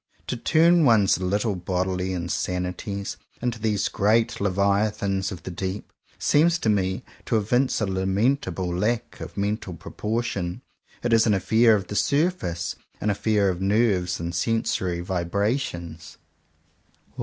To turn one's little bodily insanities into these great Leviathans of the Deep, seems to me to evince a lamentable lack of mental propor tion. It is an affair of the surface — an affair of nerves and sensory vibrations.